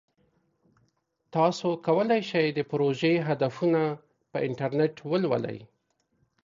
تاسو کولی شئ د پروژې هدفونه په انټرنیټ ولولئ.